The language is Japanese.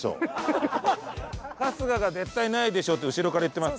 春日が「絶対ないでしょ」って後ろから言ってます。